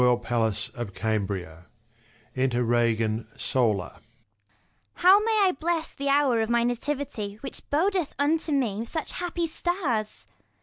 How may I bless the hour of my nativity, Which bodeth unto me such happy stars